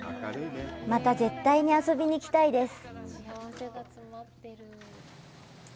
また絶対に遊びに来たいです！